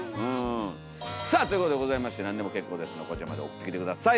さあということでございまして何でも結構ですのでこちらまで送ってきて下さい。